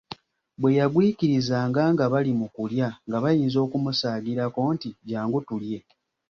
Bwe yagwikirizanga nga bali mu kulya nga bayinza okumusaagirako nti, " jjangu tulye ".